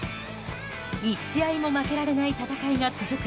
１試合も負けられない戦いが続く